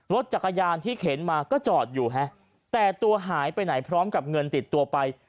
รถจักรยานที่เข็นมาก็จอดอยู่ฮะแต่ตัวหายไปไหนพร้อมกับเงินติดตัวไป